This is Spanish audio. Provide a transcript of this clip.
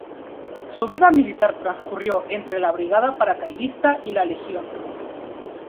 Su vida militar transcurrió entre la Brigada Paracaidista y La Legión.